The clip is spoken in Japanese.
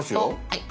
はい。